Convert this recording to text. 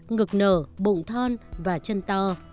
ngực nở bụng thon và chân to